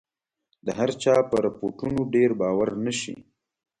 د هرچا په رپوټونو ډېر باور نه شي.